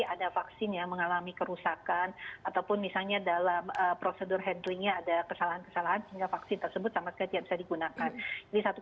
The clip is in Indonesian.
ada vaksin yang mengalami kerusakan ataupun misalnya dalam prosedur handlingnya ada kesalahan kesalahan sehingga vaksin tersebut sama sekali tidak bisa digunakan